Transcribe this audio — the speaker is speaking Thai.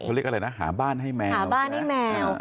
เขาเรียกอะไรนะหาบ้านให้แมวหาบ้านให้แมว